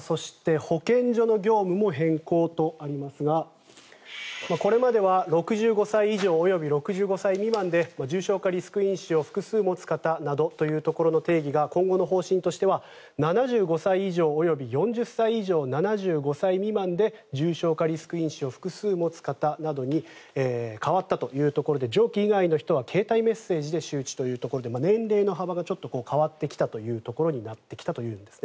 そして、保健所の業務も変更とありますがこれまでは６５歳以上及び６５歳未満で重症化リスク因子を複数持つ方などの定義が今後の方針としては７５歳以上及び４０歳以上７５歳未満で重症化リスク因子を複数持つ方などに変わったというところで上記以外の人は携帯メッセージで周知ということで年齢の幅が変わってきたというところになってきたというんです。